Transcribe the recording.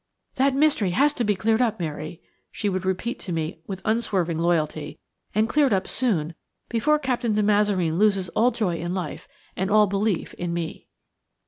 "That mystery has got to be cleared up, Mary," she would repeat to me with unswerving loyalty, "and cleared up soon, before Captain de Mazareen loses all joy in life and all belief in me."